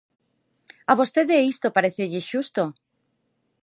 ¿A vostede isto parécelle xusto?